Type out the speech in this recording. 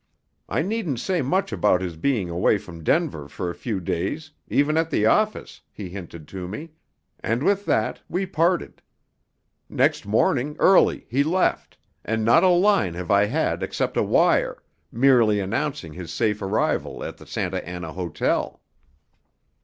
I needn't say much about his being away from Denver for a few days, even at the office, he hinted to me; and with that we parted. Next morning early he left, and not a line have I had except a wire, merely announcing his safe arrival at the Santa Anna Hotel."